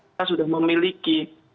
kita sudah memiliki